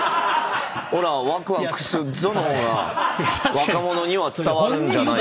「オラワクワクすっぞ‼」の方が若者には伝わるんじゃないかな。